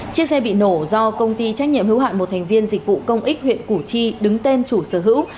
chiếc xe bị nổ do công ty trách nhiệm hữu hạn một thành viên dịch vụ công ích huyện củ chi đứng tên chủ sở hữu